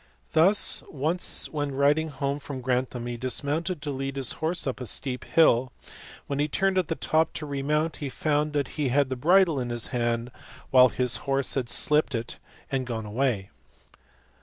Thus once when riding home from Gran th am he dismounted to lead his horse up a steep hill, when he turned at the top to remount he found that he had the bridle in his hand, while his horse had slipped it and gone away.